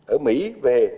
ở mỹ về